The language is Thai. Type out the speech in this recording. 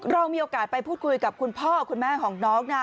เรามีโอกาสไปพูดคุยกับคุณพ่อคุณแม่ของน้องนะ